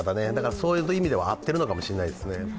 そういう意味では合ってるのかもしれないですね。